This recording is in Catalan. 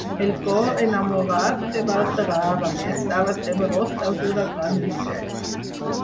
El cor, enamorat, se m'alterava, i estava temerós d'alguna gran dissort.